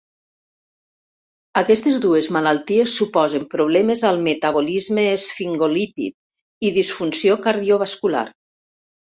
Aquestes dues malalties suposen problemes al metabolisme esfingolípid i disfunció cardiovascular.